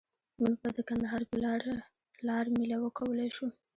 مونږ به د کندهار په لاره لار میله وکولای شو.